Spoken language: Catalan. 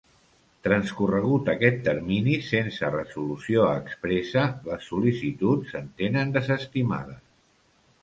Transcorregut aquest termini sense resolució expressa, les sol·licituds s'entenen desestimades.